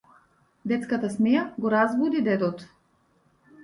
Детската смеа го разбуди дедото.